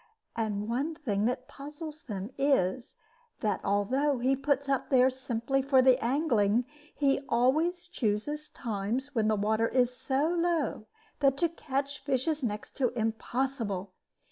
And one thing that puzzles them is, that although he puts up there simply for the angling, he always chooses times when the water is so low that to catch fish is next to impossible.